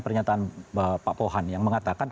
pernyataan pak pohan yang mengatakan